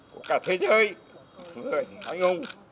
của cả thế giới người anh ông